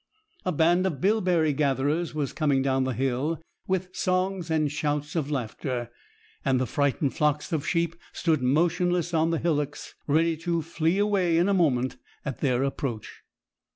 A band of bilberry gatherers was coming down the hill with songs and shouts of laughter; and the frightened flocks of sheep stood motionless on the hillocks, ready to flee away in a moment at their approach.